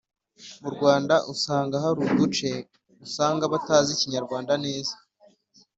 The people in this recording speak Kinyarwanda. Murwanda usanga haruduce usanga batazi ikinyarwanda neza